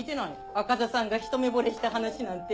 赤座さんが一目ぼれした話なんて。